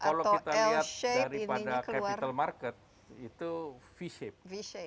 kalau kita lihat daripada capital market itu v shape